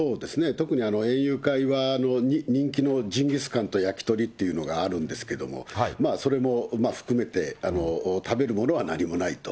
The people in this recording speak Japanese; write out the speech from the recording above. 特に園遊会は、人気のジンギスカンと焼き鳥というのがあるんですけれども、それも含めて、食べるものは何もないと。